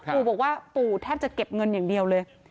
ปู่บอกว่าปู่แทบจะเก็บเงินอย่างเดียวเลย